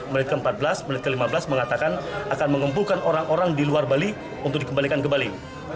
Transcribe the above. menit ke empat belas menit ke lima belas mengatakan akan mengumpulkan orang orang di luar bali untuk dikembalikan ke bali